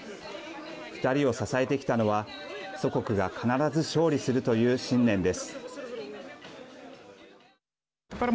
２人を支えてきたのは祖国が必ず勝利するという信念です。